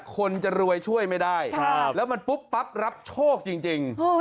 คนจะรวยช่วยไม่ได้ครับแล้วมันปุ๊บปั๊บรับโชคจริงจริงโอ้ย